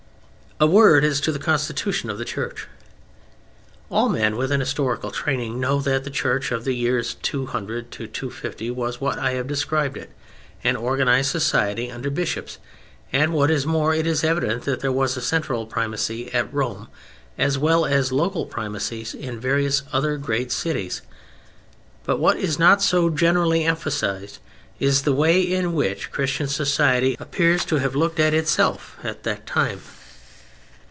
A word as to the constitution of the Church. All men with an historical training know that the Church of the years 200 250 was what I have described it, an organized society under bishops, and, what is more, it is evident that there was a central primacy at Rome as well as local primacies in various other great cities. But what is not so generally emphasized is the way in which Christian society appears to have looked at itself at that time.